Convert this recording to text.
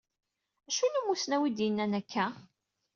Acu n umusnaw i d-yennan akka?